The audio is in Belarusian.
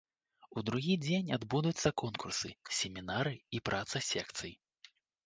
У другі дзень адбудуцца конкурсы, семінары і праца секцый.